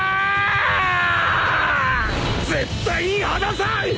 絶対に離さん！